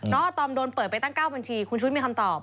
อาตอมโดนเปิดไปตั้ง๙บัญชีคุณชุวิตมีคำตอบ